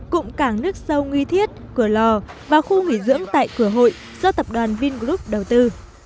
cụm cảng nước sâu nguy thiết cửa lò và khu nghỉ dưỡng tại cửa hội do tập đoàn vingroup đầu tư